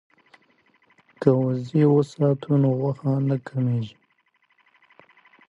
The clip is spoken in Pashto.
که وزې وساتو نو غوښه نه کمیږي.